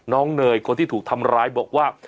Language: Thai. เนยคนที่ถูกทำร้ายบอกว่า